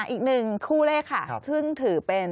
อีกหนึ่งคู่เลขค่ะเพิ่งถือเป็น